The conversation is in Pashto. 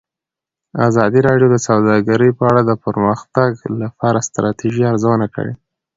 ازادي راډیو د سوداګري په اړه د پرمختګ لپاره د ستراتیژۍ ارزونه کړې.